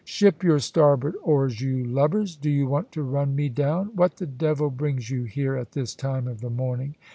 "Ship your starboard oars, you lubbers. Do you want to run me down? What the devil brings you here, at this time of the morning?"